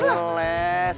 nggak usah ngeles